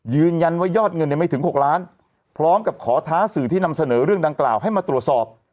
ยอดเงินไม่ถึง๖ล้านพร้อมกับขอท้าสื่อที่นำเสนอเรื่องดังกล่าวให้มาตรวจสอบ